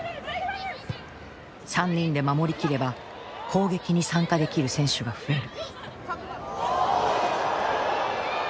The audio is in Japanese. ３人で守りきれば攻撃に参加できる選手が増える。